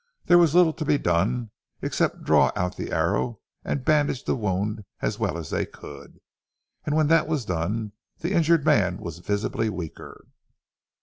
There was little to be done, except draw out the arrow, and bandage the wound as well as they could, and when that was done the injured man was visibly weaker.